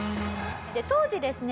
当時ですね